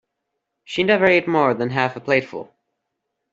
She never ate more than half a plateful